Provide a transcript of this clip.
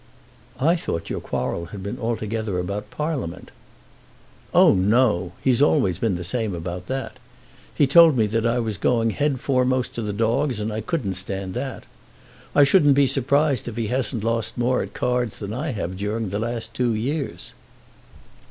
"I thought your quarrel had been altogether about Parliament." "Oh no! He has been always the same about that. He told me that I was going head foremost to the dogs, and I couldn't stand that. I shouldn't be surprised if he hasn't lost more at cards than I have during the last two years."